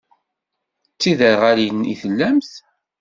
D tiderɣalin i tellamt?